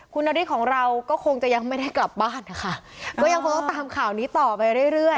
คุณนาริสของเราก็คงจะยังไม่ได้กลับบ้านนะคะก็ยังคงต้องตามข่าวนี้ต่อไปเรื่อยเรื่อย